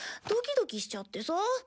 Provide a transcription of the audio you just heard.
ドキドキしちゃってさ。